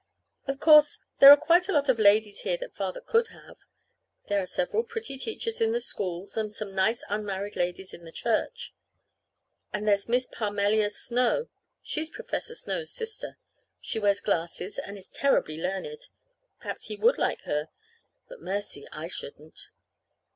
Of course, there are quite a lot of ladies here that Father could have. There are several pretty teachers in the schools, and some nice unmarried ladies in the church. And there's Miss Parmelia Snow. She's Professor Snow's sister. She wears glasses and is terribly learned. Maybe he would like her. But, mercy! I shouldn't.